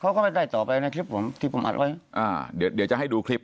เขาก็ไม่ได้ต่อใดที่ที่ผมอัดไว้เดี๋ยวจะให้ดูคลิป